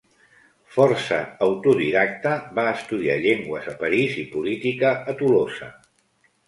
Força autodidacta, va estudiar llengües a París i política a Tolosa.